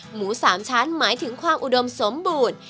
หมู๓ชั้นหมายถึงความอุดมสมบูรณ์